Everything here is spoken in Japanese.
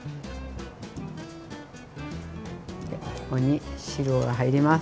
ここに汁が入ります。